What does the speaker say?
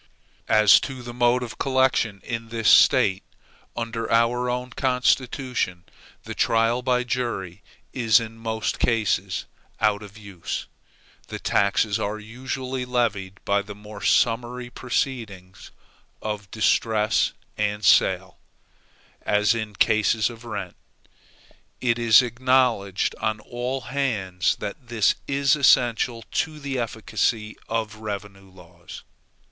As to the mode of collection in this State, under our own Constitution, the trial by jury is in most cases out of use. The taxes are usually levied by the more summary proceeding of distress and sale, as in cases of rent. And it is acknowledged on all hands, that this is essential to the efficacy of the revenue laws.